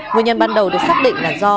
nguyên nhân ban đầu được xác định là do